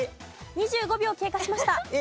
２５秒経過しました。